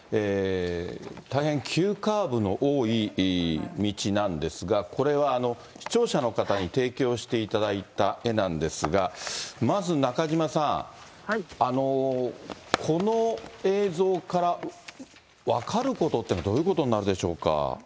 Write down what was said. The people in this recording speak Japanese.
大変急カーブの多い道なんですが、これは視聴者の方に提供していただいた絵なんですが、まず中島さん、この映像から分かることっていうのはどういうことになるでしょう